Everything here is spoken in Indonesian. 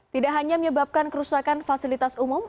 tidak hanya menyebabkan kerusakan fasilitas umum